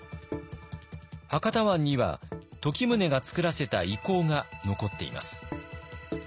博多湾には時宗がつくらせた遺構が残っています。